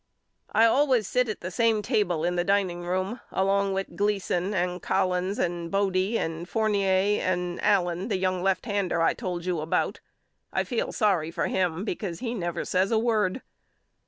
I always sit at the same table in the dining room along with Gleason and Collins and Bodie and Fournier and Allen the young lefthander I told you about. I feel sorry for him because he never says a word.